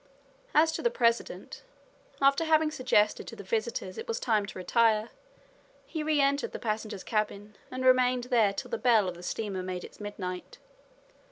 As to the president, after having suggested to the visitors it was time to retire, he re entered the passenger's cabin, and remained there till the bell of the steamer made it midnight.